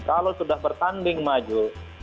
kalau sudah bertanding maju